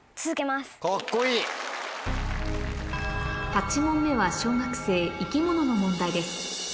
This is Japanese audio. ８問目は小学生生き物の問題です